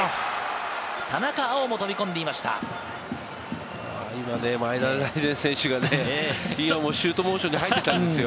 田中碧も飛び込ん今、前田大然選手がもうシュートモーションに入っていたんですよ。